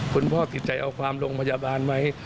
คุณพ่อติดใจเอาความโรงพยาบาลไหม